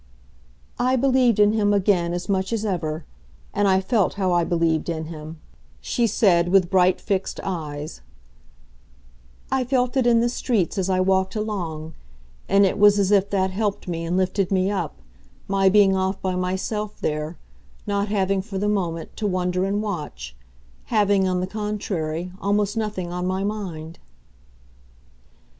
"I believed in him again as much as ever, and I felt how I believed in him," she said with bright, fixed eyes; "I felt it in the streets as I walked along, and it was as if that helped me and lifted me up, my being off by myself there, not having, for the moment, to wonder and watch; having, on the contrary, almost nothing on my mind."